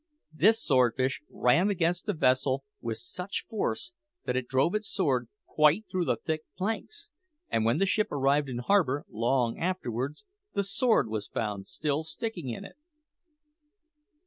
This swordfish ran against the vessel with such force that it drove its sword quite through the thick planks; and when the ship arrived in harbour, long afterwards, the sword was found still sticking in it!